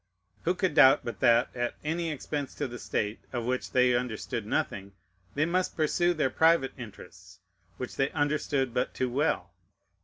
Who could doubt but that, at any expense to the state, of which they understood nothing, they must pursue their private interests, which they understood but too well?